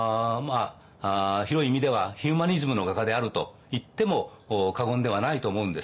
広い意味ではヒューマニズムの画家であるといっても過言ではないと思うんです。